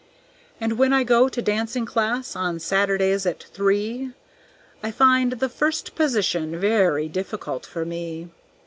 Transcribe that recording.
"And when I go to dancing class on Saturdays at three, I find the First Position very difficult for me.